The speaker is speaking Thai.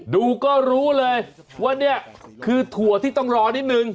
ดูก็รู้เลยว่านี่คือถั่วที่ต้องรอนิดนึง